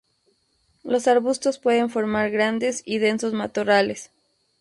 Los arbustos pueden formar grandes y densos matorrales.